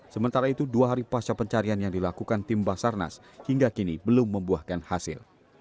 sementara itu dua hari pasca pencarian yang dilakukan tim basarnas hingga kini belum membuahkan hasil